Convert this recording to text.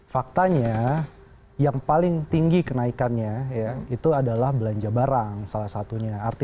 faktanya yang paling tinggi kenaikannya itu adalah belanja barang salah satunya